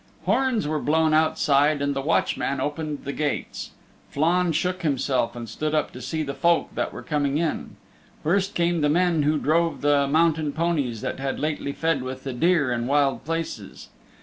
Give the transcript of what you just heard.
Horns were blown outside, and the watchman opened the gates. Flann shook himself and stood up to see the folk that were coming in. First came the men who drove the mountain ponies that had lately fed with the deer in wild places.